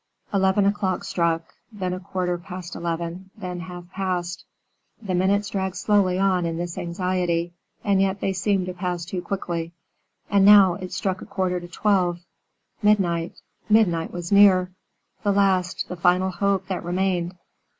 Eleven o'clock struck, then a quarter past eleven; then half past. The minutes dragged slowly on in this anxiety, and yet they seemed to pass too quickly. And now, it struck a quarter to twelve. Midnight midnight was near, the last, the final hope that remained.